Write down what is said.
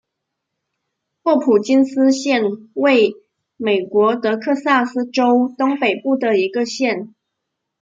霍普金斯县位美国德克萨斯州东北部的一个县。